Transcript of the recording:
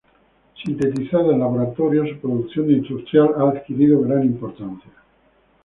Sintetizada en laboratorio, su producción industrial ha adquirido gran importancia.